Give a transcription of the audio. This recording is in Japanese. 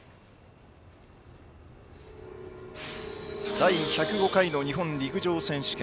第１０５回の日本陸上選手権。